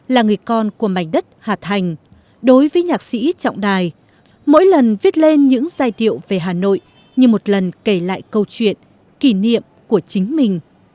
là người con của mảnh đất hà thành đối với nhạc sĩ trọng đài mỗi lần viết lên những giai điệu về hà nội như một lần kể lại câu chuyện kỷ niệm của chính mình